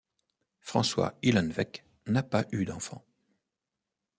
François Hillenweck n’a pas eu d’enfant.